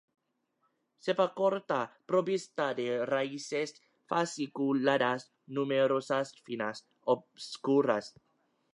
Cepa corta, provista de raíces fasciculadas numerosas, finas, obscuras.